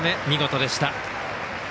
見事でした。